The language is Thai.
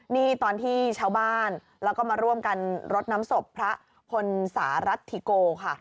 นี่ตอนที่ชาวบ้านแล้วก็มาร่วมกันรดน้ำศพพระพลสารรัฐธิโกค่ะ